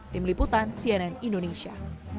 tim liputan cnn indonesia